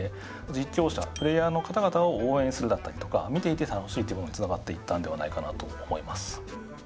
実況者プレーヤーの方々を応援するだったりとか見ていて楽しいというものにつながっていったのではないかなと思います。